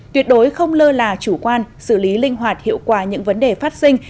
tuyệt đối không lơ là chủ quan xử lý linh hoạt hiệu quả những vấn đề phát sinh